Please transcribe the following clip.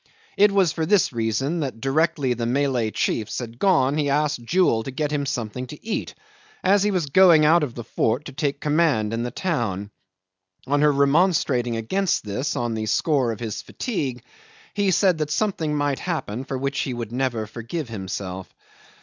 It was for this reason that directly the Malay chiefs had gone he asked Jewel to get him something to eat, as he was going out of the fort to take command in the town. On her remonstrating against this on the score of his fatigue, he said that something might happen for which he would never forgive himself.